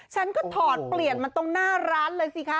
ฉันก็ถอดเปลี่ยนมาตรงหน้าร้านเลยสิคะ